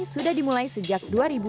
sudah dimulai sejak dua ribu lima belas